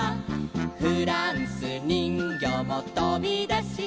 「フランスにんぎょうもとびだして」